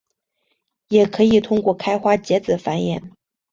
也可以通过开花结籽繁衍。